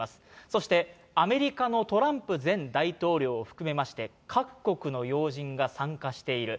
そしてアメリカのトランプ前大統領含めまして、各国の要人が参加している。